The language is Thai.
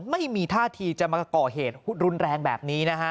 ไม่มีท่าทีจะมาก่อเหตุรุนแรงแบบนี้นะฮะ